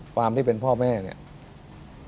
ความที่เป็นพ่อแม่เนี่ย